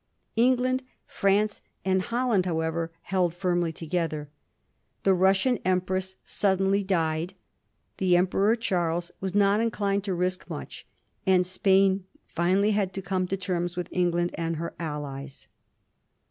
England, France, and Holland, however, held firmly together ; the Russian Empress suddenly died, the Emperor Charles was not inclined to risk much, and Spain finally had to come to terms wili England and her allies.